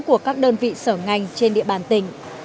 của các đơn vị sở ngành trên địa bàn tỉnh